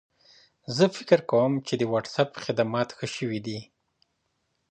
زه فکر کوم چې د وټساپ خدمات ښه شوي دي.